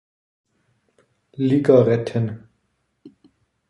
Liga retten.